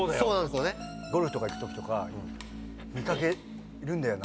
ゴルフとか行くときとか見掛けるんだよな。